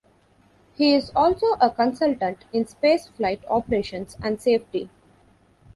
He is also a consultant in spaceflight operations and safety.